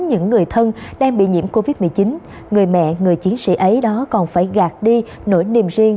những người thân đang bị nhiễm covid một mươi chín người mẹ người chiến sĩ ấy đó còn phải gạt đi nỗi niềm riêng